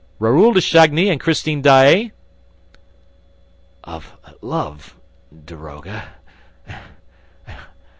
"Raoul de Chagny and Christine Daae?" "Of love ... daroga